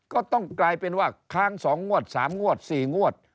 ก็ต้องกลายเป็นว่าค้างสองงวดสามงวดสี่งวด